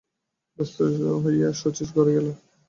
ব্যস্ত হইয়া শচীশ ঘরে গেল।